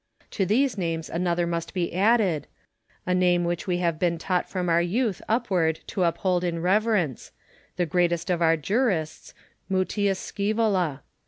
To these names another must be added ; a name which we have been taught from our youth upward to hold in reverence — the greatest of our jurists, Mutius Scsevola.